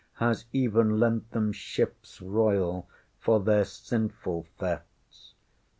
has even lent them ships royal for their sinful thefts.